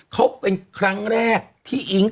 เขาเป็นครั้งแรกที่อิ๊ง